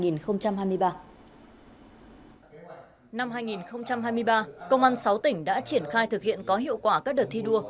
năm hai nghìn hai mươi ba công an sáu tỉnh đã triển khai thực hiện có hiệu quả các đợt thi đua